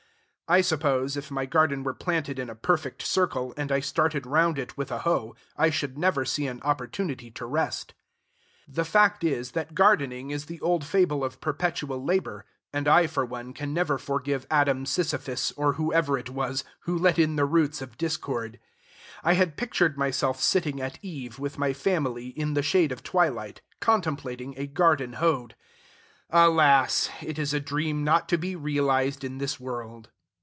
I suppose, if my garden were planted in a perfect circle, and I started round it with a hoe, I should never see an opportunity to rest. The fact is, that gardening is the old fable of perpetual labor; and I, for one, can never forgive Adam Sisyphus, or whoever it was, who let in the roots of discord. I had pictured myself sitting at eve, with my family, in the shade of twilight, contemplating a garden hoed. Alas! it is a dream not to be realized in this world.